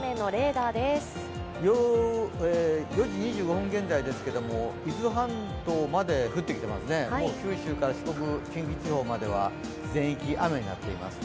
４時２５分現在ですけれども、伊豆半島まで降ってきていますね、九州から四国、近畿地方までは全域、雨になっています。